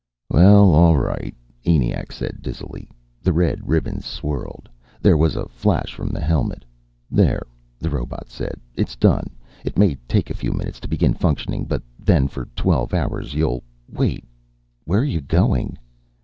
"Well all right," ENIAC said dizzily. The red ribbons swirled. There was a flash from the helmet. "There," the robot said. "It's done. It may take a few minutes to begin functioning, but then for twelve hours you'll wait! Where are you going?"